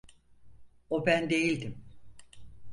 O ben değildim.